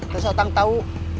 terus otang tau